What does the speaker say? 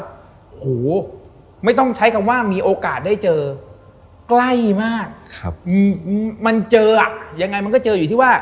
โอ้โหไม่ต้องใช้คำว่ามีโอกาสได้เจอใกล้มากครับมันเจออ่ะยังไงมันก็เจออยู่ที่ว่า